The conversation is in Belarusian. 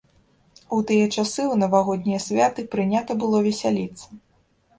У тыя часы ў навагоднія святы прынята было весяліцца.